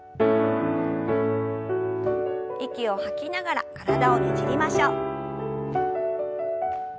息を吐きながら体をねじりましょう。